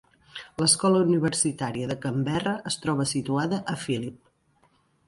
L'Escola Universitària de Canberra es troba situada a Phillip.